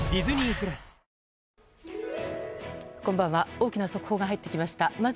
大きな速報が入ってきました。